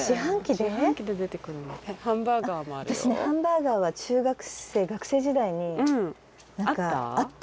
私ねハンバーガーは中学生学生時代に何かあった。